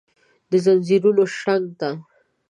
دځنځیرونو شرنګ ته ،